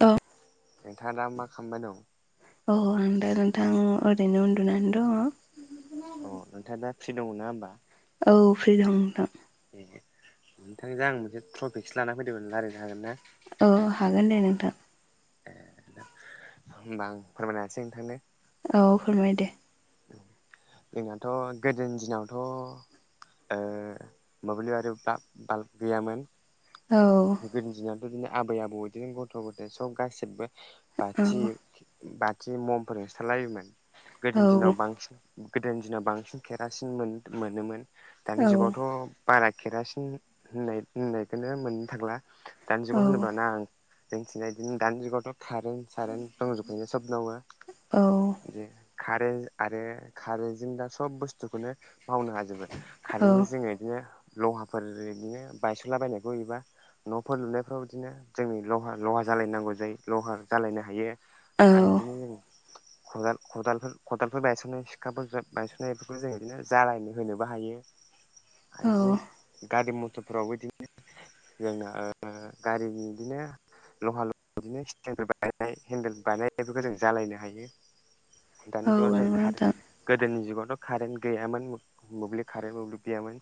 औ नोंथाङा दा मा खालामबाय दं। अ नंगौ नोंथां ओरैनो उन्दुनानै दङ। अ नोंथाङा दा फ्रि दङ ना होनबा? औ फ्रि दं नोंथां। ए नोंथांजों आं मोनसे टफिकसो ला फैदोंमोन राय्लायनो हागोन ना? औ हागोन दे नोंथां। ए होमबा आं फोरमायना होनोसै नोंथांनो औ फोरमाय दे। जोंनाथ' गोदोनि दिनावथ'। ओ मोब्लिब बाल्ब गैयामोन। औ गोदोनि दिनावथ' बिदिनो आबै आबौ बिदिनो गथ' गथाय सब गासिबो औ बाथि बाथि ममफोरजोंसो थालाबायोमोन औ गोदोनि दिनाव बांसिन गोदोनि दिनाव बांसिन केरासिन मोनोमोन दानि औ जुगावथ' बारा केरासिन होननाय होननायखौनो मोननो थांला दानि औ जुगाव होनोबा ना आं। जोंनिथिंजाय बिदिनो दानि जुगावथ खारो खारेन्ट दंजोबखायो सोबनावनो औ बिदि खारेनट आरो खारेनटजों दा सब बुस्थुखौनो मावनो हाजोबो कारेेनटजों जोङो बिदिनो लहाफोर बिदिनो बायस'ला बायनायखौ एबा न'फोर लुनायफ्राव बिदिनो जोंनि लहा लहा जालायनांगौ जायो लहा जालायनो हायो। आरो बिदिनो जों खदाल खदालफोर खदालफोर बायसननाय सिखाफोर बायसननाय बेफोरखौ जों बिदिनो जालायनो होनोबो हायो। औ बिदिनो गारि मथरफोरावबो बिदिनो जोंना ओ गारिनि बिदिनो लहा लहि बिदिनो स्टेनफोर बानायनाय हेन्देल बानायनायफोरखौ जों जालायनो हायो। दानि औ जों नंगौ नोंथां गोदोनि जुगावथ' कारेन्ट गैयामोन मोब्लिब कारेन्ट मोब्लिब गैयामोन।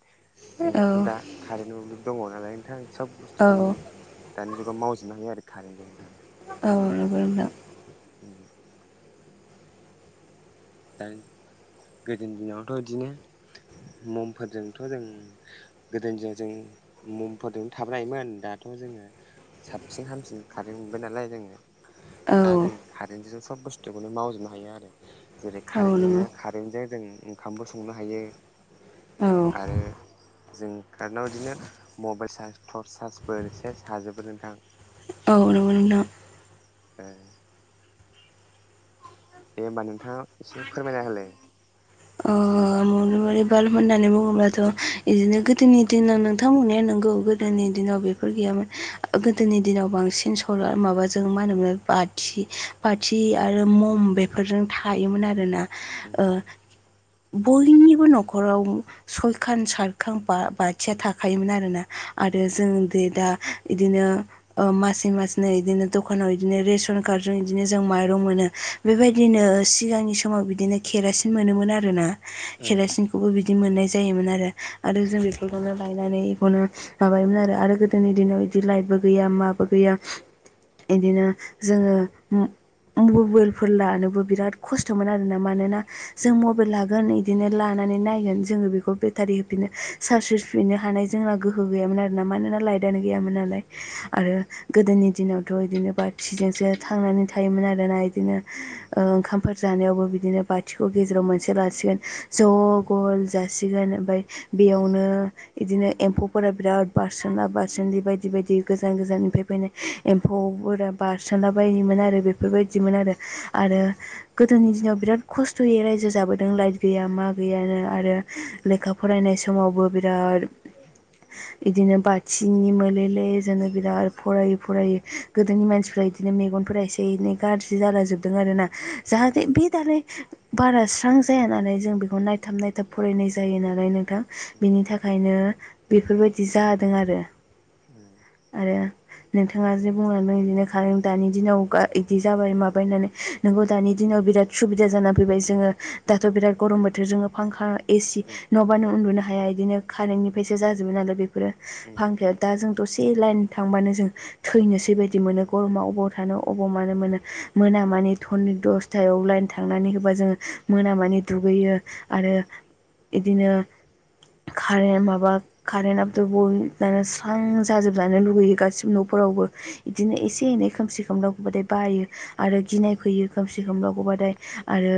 औ जोंहाथ' दा कारेन्ट मब्लिब दङ नालाय नोंथां सब औ बुस्थुखौनो दानि जुगाव मावजोबनो हायो आरो कारेन्टजों नोंथां। औ नंगौ नोंथां। उम दा गोदोनि दिनावथ' इदिनो ममफोरजोंथ' जों गोदोनि दिनाव जों ममफोरदोंनो थाबोनो हायोमोन दाथ' जोङो साबसिन हामसिन खारेन्ट मोनबाय नालाय जोङो औ दा जों कारेन्टजों सब बुस्थुखौनो मावजोबनो हायो आरो जेरै औ नंगौ कारेेनटजोंनो खा जों जों ओंखामबो संनो हायो औ आरो जों कारेन्टआव इदिनो मबेल चार्ज टर्स चार्जफोर सेस हाजोबो नोंथां औ नंगौ नोंथां। ओ दे ओनबा नोंथाङा एसे फोरमायना होलाय मिथियोबा एकदम बारे बाल्ब होननानै बुङोब्लाथ' इदिनो गोदोनि दिनाव नोंथां बुंनाया नंगौ गोदोनि दिनाव बे फोर गैयामोन गोदोनि दिनाव बांसिन सलार' माबाजों मा होनोमोन बाथि बाथि आरो मम बेफोरजों थायोमोन आरोना उम ओ बयनि बो नखराव सयखान सातखां बा बाथिया थाखोमोन आरोना आरो उम जों जे दा इदिनो ओ मासे मासनो इदिनो दखानाव इदिनो रेसन कार्डजों इदिनो जों माइरं मोनो। उम बेबायदिनो सिगांनि समाव बिदिनो केरासिन मोनोमोन आरोना उम केरासिनखौबो बि बिदि मोननाय जायोमोन आरो आरो जों बेफोरखौनो लायनानै बेखौनो माबायोमोन आरो आरो गोदोनि दिनाव इदि लाइटबो गैया माबो गैया इदिनो जोङो मबेलफोर लानोबो बिराद खस्थ'मोन आरोना मानोना जों उम उम मबेल लाग्रा नै बिदिनो लानानै नायगोन जोङो बेखौ बेटारि होफिनो चार्ज होफिननो हानाय जोंना गो बो गैयामोन आरोना मानोना लाइटआनो गैयामोन नालाय आरो गोदोनि दिनावथ' इदिनो बाथिजोंसो थांनानै थायोमोन आरोना इदिनो उम ओ ओंखामफोर जानायावबो बिदिनो बाथिखौ गेजेराव मोनसे लासिगोन ज' गल जासिगोन ओमफाय उम बेयावनो इदिनो एम्फौफोरा बिराद बारसोमला बारसोमलि बायदि बायदि गोजान गोजाननिफ्राय बेनो उम एम्फौफोरा बारसोनला बायोमोन आरो बेफोरबायदिमोन आरो आरो उम गोदोनि दिनाव बिराद खस्थ'यै रायजो जाबोदों लाइट गैया मा गैयानो आरो उम लेखा फरायनाय समावबो बिराद इदिनो बाथिनि मोले ले जोनो बिराद फरायै फरायै गोदोनि मानसिफ्रा इदिनो मेगनफोरा एसे एनै गाज्रि जालांजोबदों आरोना जाहाथे बे दालाय बारा स्रां जाया नालाय जों बेखौ नायथाब नायथाब फरायनाय जायो नालाय नोंथां बिनि था खायनो बेफोरबायदि जादों आरो उम आरो नोंथाङा जे बुंलांदों इदिनो खारेन दानि दिनाव इदि जाबाय माबाय होननानै नोंगौ दानि दिनाव बिराद सुबिदा जाना फैबाय जोङो दाथ' बिराद गरम बोथोरजों फांखा एसि नङाबानो उन्दुनो हाया इदिनो कारेन्टनिफ्रायसो जाजोबो नालाय बेफोरखौ बेफोरो फांखाया दा जों दसे लाइन थांबानो जों थैनोसै बायदि मोनो गरमा अबाव थानो अबाव मानो मोनो मोना मानि हरनि दस टायाव लाइन थांनानै होबा जोङो मोना मानि दुगैयो आरो इदिनो कारेन्ट माबा कारेन्टआथ' दुबुन ओ स्रां जाजोबजानो लुुबैयो गासिबो न'फोरावबो [unintelligible] इदिनो एसे एनै खोमसि खोमलाव बेबादै बायो [unintelligible] आरो गिनाय उम फैयो खोमसि खोमलाव थाबाथाय आरो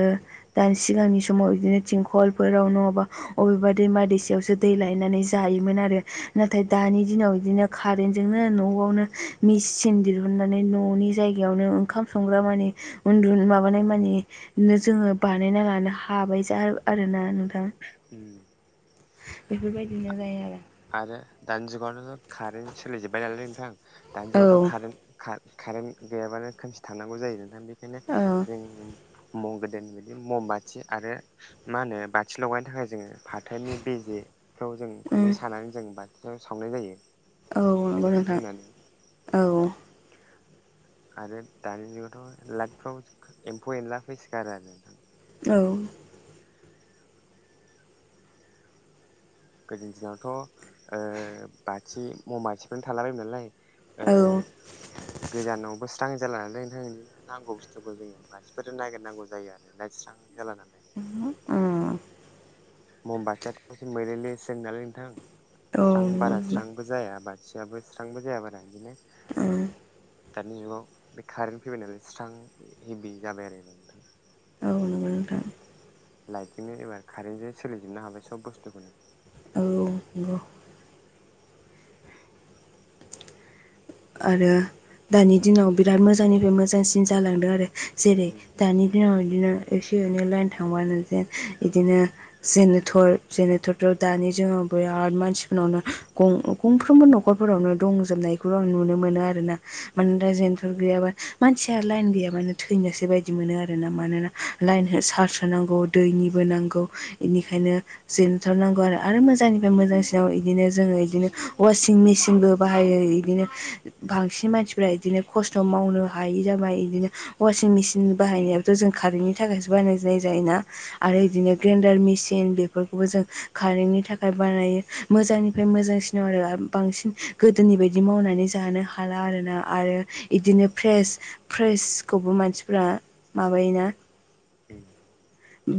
दानि सिगांनि सम समाव बिदिनो थिंखलफोरावनो अबा अबेबा दैमा दैसायावसो दै लायनानै जायोमोन आरो नाथाय उम दानि दिनाव बिदिनो कारेन्टजोंनो न'आवनो मेचिन दिहुननानै न'नि जायगायावनो ओंखाम संग्रा मानि उन्दु माबानाय मानि जोङो बानायना लानो हाबाय जा आरो ना नोंथां म [inaudible] बेफोरबायदिनो जायो आरो आरो दानि जुगावनो कारेन्ट सोलिजोब्बाय नालाय नोंथां दानि औ जुगावथ' कारेन्ट कारेन्ट गैयाबानो खोमसि थानांगौ जायो नोंथां बेखायनो औ जों म' गोदोनि बिदि म'म बाथि आरो मा होनो बाथि लगायनो थाखाय जोङो फाथोनि बे जे खौ जों खुन्दुं उम सानानै जों बाथियाव सावनाय जायो औ नंगौ केरासिन नोंथां होनानै औ आरो दानि जुगावथ' लादफ्राव एम्फौ एनला फैसिगारो आरो नोंथां औ गोदोनि दिनावथ' बाथि मममाथिफोरनो थालाबायोमोन नालाय औ अ गोजानाव बोसोर स्रां जाला लोंनोनो नांगौ बुस्थुखौ जोङो मासिफोर नागिरनांगौ जायो आरो लायस्रां जाला नालाय ओम ममबाथियाथ'से मैलेले सो नालाय नोंथां स्रां औ नंगौ बारा नोंथां स्रां जाया बाथियाबो स्रांबो जाया बारा बिदिनो ओम दानि जुगाव बे कारेन्ट फैबाय नालाय स्रां हेभि जाबाय आरोा नोंथां औ नंगौ नोंथां लाइटजोंनो एबा कारेन्टजों सोलिजोबनो हाबाय सब बुस्थुखौनो औ नंगौ आरो दानि दिनाव बिराद मोजांनिफ्राय मोजांसिन जालांदों आरो जेरै उम दानि दिनाव बिदिनो एसे एनै लाइन थांबानो जेन बिदिनो जेनर जेनेथरथ' दानि जोंनाव बिराद मानसिफोरनावनो गंफ्रोमबो न'खरफोरावनो दंजोबनायखौ आ नु मोनो आरोना उम मानोना जेनेरेथर गैयाबा मानसिया लाइन गैयाबानो थैनोसो बायदि मोनो आरोना मानोना लाइन उम चार्ज होनांगौ दैनिबो नांगौ बेनिखायनो जोनथारनांगौ आरो मोजांनिफ्राय मोजांसिनाव बिदिनो जोङो बिदिनो उम वासि मेसिनबो बाहायो बिदिनो बांसिन मानसि बिनिफ्राय बिदिनो खस्थ' मावनो हायि जाबाय बिदिनो ववासिं मेसिन बाहायनायाथ' जों कारेन्टनि थाखायसो बायनाय जायोना आरो उम बिदिनो ग्रेन्डार मेसिन बेफोरखौबो जों कारेन्टनि थाखाय बानायो मोजांनिफ्राय मोजांसिनाव आरो बांसिन गोदोनि बायदि मावनानै जानो हाला आरोना आरो उम इदिनो फ्रेस फ्रेसखौबो मानसिफ्रा माबायोना उम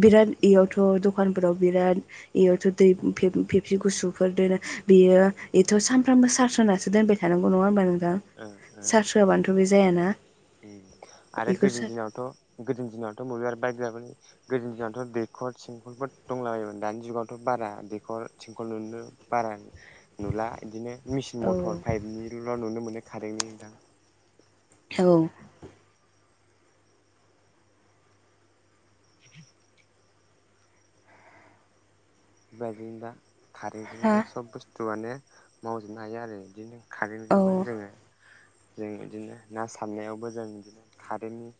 बिराद बेयावथ' दखानफोराव बिराद बेयावथ' दै फेबसि गुसुफोर दोनो बियो बेथ' सानफ्रामबो सार्स होननासो दोनबाय थानांगौ नङा होमबा नोंथां ओ ओ चार्ज होयाबानोथ' बे जायाना आरो बेखौ गोद़नि सार दिनावथ' गोजनि दिनावथ' बयहाबो आरो बाइक गैयामोन गोदोनि दिनावथ' दैखर थिंखलफोर दंलाबायायोमोन दानि जुगावथ' बारा दैखर थिंखल बारा नुला बिदिनो मेसिन मटर औ खारेननिल' नुनो मोनो खारेननि नोंथां औ [inaudible] बेबायदिनो दा हा कारेन्टजोंनो सब बुस्थुआनो मावजोबनो हायो आरो बिदिनो कारेन्टजोंबो औ जोङो जों इदिनो ना सारनायावबो जों बिदिनो कारेन्टनि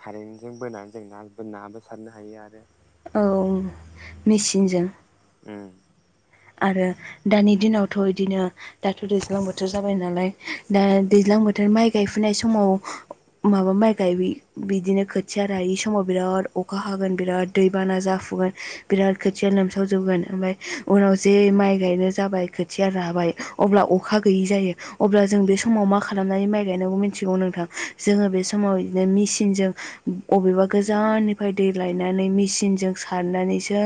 खारेन्जों बोनानै जों ना नाबो सारनो हायो आरो औ मेचिनजों उम आरो दानि दिनावथ बिदिनो दाथ दैज्लां बोथोर जाबाय नालाय दा उम दैज्लां बोथोर माइ गायफुनाय समाव माबा माइ गाय बिदिनो खोथिया रायै समाव बिराद अखा हागोन बिराद दैबाना जाफुगोन बिराद खोथिया लोमसाव जोबगोन ओमफ्राय उनाव जे माइ गायनो जाबाय खोथिया राबाय अब्ला अखा गैयि जायो अब्ला जों बे उम उम समाव मा खालामनानै माइ गायनांगौ मिथिगौ नोंथां जोङो बे समाव इदिनो मेचिनजों अबेबा गोजाननिफ्राय दै लायनानै मेचिनजों सारनानैसो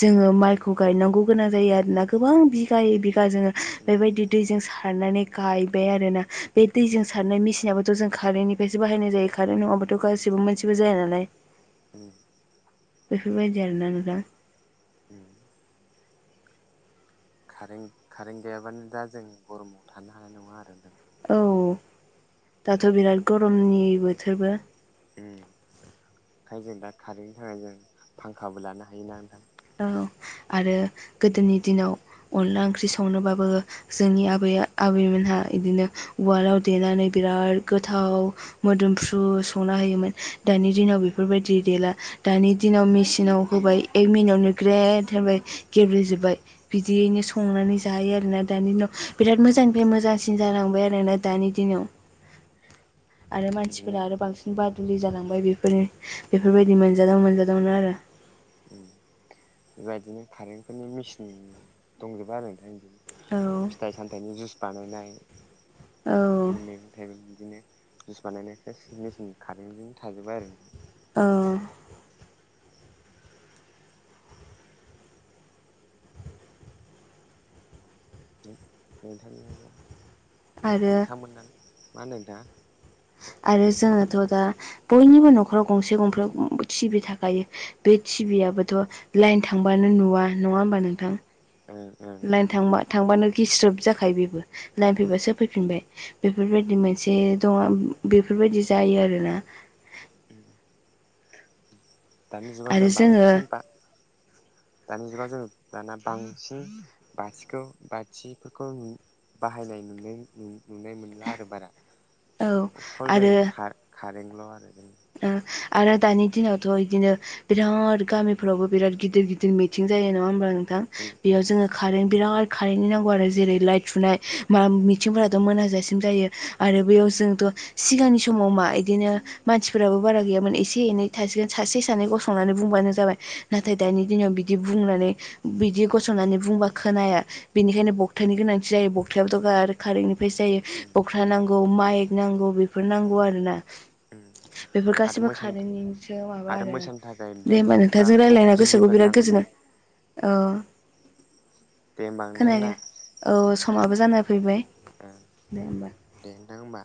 जोङो माइखौ गायनांगौ गोनां जायो आरोना गोबां बिगायै बिगा जोङो उम बेबायदि दैजों सारनानै गायबाय आरोना बे उम दैजों सारनाय मेसिनाबो थ जों कारेनटनिफ्रायसो बाहायनाय जायो कारेन्त नङाबाथ उम गासैबो मोनसिबो जाया नालाय [inaudible] बेफोरबायदि आरोना नोंथां उम कारेन कारेन्ट गैयाबानो दा जों गरमाव थानो हानाय नङा आरो नोंथां औ दाथ बिराद गरमनि बोथोरबो उम ओंखायनो जों दा कारेन्टनि थाखाय जों फांखाबो लानो हायोना नोंथां औ आरो गोदोनि दिनाव अनला ओंख्रि संनोबाबो जोंनि आबै आबैमोनहा इदिनो उवालाव देनानै बिराद गोथाव मोदोमफ्रु संना होयोमोन दानि दिनाव बेफोरबायदि देला दानि दिनाव मेसिनाव होबाय एक मिनिटावनो ग्रेद होबाय उम गेब्लेजोबबाय बिदियैनो संनानै जायो आरोना दानि दिनाव बिराद उम मोजांनिफ्राय मोजां सिन जालांबाय आरोना दानि दिनाव आरो बिदिनो मानसिफोरा आरो बांसिन बादुलि जालांबाय बेफोरनि बेफोरबायदि मोनजादाव मोनजादावनो आरो उम बेबायदिनो कारेन्टफोरनि मेचिन दंजोबो आरो नोंथां इदिनो औ फिथाइ सामथाइनि जुइस बानायनाय औ बिदिनो मैगं थाइगं बिदिनो जुइस बानायनाय सेस मेचिन कारेन्टजों थाजोबो आरोना ओ नोंथांनि मा आरो नोंथांमोना मा होनदों नोंथां आरो जोङोथ दा बयनिबो न'खराव गंसे गंसे टिबि थाखायो बे टिभिआबोथ लाइन थांबानो नुवा नङा होमबा नोंथां ओं ओं लाइन नोंथां थांबा थांबानोखि स्रोब जाखायो बेबो लाइन फैबासो फैफिनबाय बेफोरबायदि मोनसे दं बेफोरबायदि जायो आरोना दानि जुगाव आरो जों जोङो बांसिन बा दानि जुगाव जों दाना बांसिन बाथिखौ बाथिफोरखौ बाहायनाय नुनाय नुनाय मोनला आरो बारा औ अखस जों आरो खा कारेनल आरो जों ओ आरो दानि दिनावथ इदिनो बिराद गामिफोरावबो बिराद गिदिर गिदिर मिथिं जायो नङा होनोमबा नों थां उम उम बेयाव जोङो कारेन बिराद कारेन्टनि नांगौ आरो जेरै लाइट सुनाय मा मिथिंफोराथ मोनाजासिम जायो आरो बेयाव जोंथ सिगांनि समाव मा इदिनो मानसिफोराबो बारा गैयामोन एसे एनै थासिगोन सासे सानै गसंनानै बुंबानो जाबाय नाथाय दानि दिनाव बिदि बुंनानै बिदि गसंनानै बुंबा खोनाया बेनिखायनो बखथानि गोनांथि जायो बखथायाबोथ' कारेननिफ्राय जायो उम बख था नांगौ माइक नांगौ बेफोर नांगौ आरो ना उम बेफोर आरो गासैबो मोसानो कारेवनिसो माबा आरो आरोना मोसानो थाखाय दे देक्स होमबा बा नोंथांजों बक्स रायज्लायना गोसोखौ दिजेफोर बिराद नांगौ गोजोनो जायो औ दे होमबा नोंथां ना खोनायाखै औ समाबो जाना फैबाय ओं दे होमबा दे नोंथां होमबा